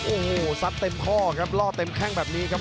โอ้โหซัดเต็มข้อครับล่อเต็มแข้งแบบนี้ครับ